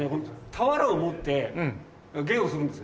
俵を持って芸をするんです。